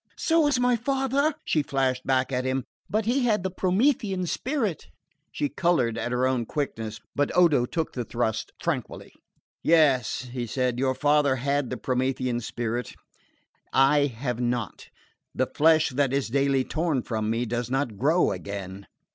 "So was my father," she flashed back at him; "but he had the Promethean spirit." She coloured at her own quickness, but Odo took the thrust tranquilly. "Yes," he said, "your father had the Promethean spirit: I have not. The flesh that is daily torn from me does not grow again."